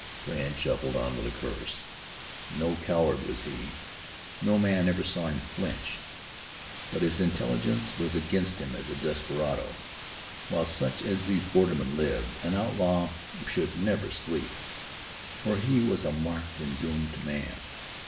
Brandt shuffled on with a curse. No coward was he. No man ever saw him flinch. But his intelligence was against him as a desperado. While such as these bordermen lived, an outlaw should never sleep, for he was a marked and doomed man.